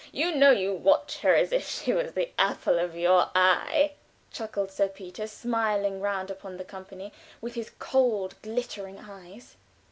You know you watch her as if she was the apple of your eye," chuckled Sir Peter, smiling round upon the company with his cold, glittering eyes.